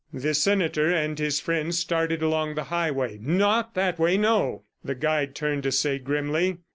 The senator and his friend started along the highway. "Not that way, no!" the guide turned to say grimly.